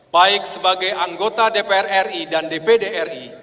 baik sebagai anggota dpr ri dan dpd ri